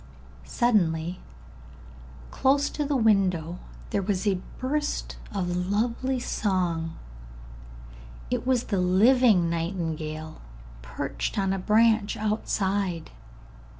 Suddenly, close to the window, there was a burst of lovely song; it was the living nightingale, perched on a branch outside.